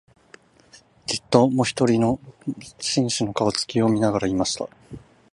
じっと、もひとりの紳士の、顔つきを見ながら言いました